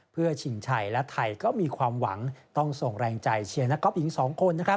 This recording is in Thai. เพื่อชิงชัยและไทยก็มีความหวังต้องส่งแรงใจเชียร์นักก๊อฟหญิง๒คน